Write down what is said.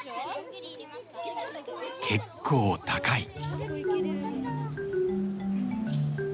結構高い。